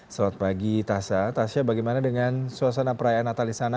selamat pagi tasa tasyah bagaimana dengan suasana perayaan natal di sana